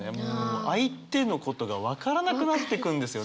相手のことが分からなくなってくるんですよね。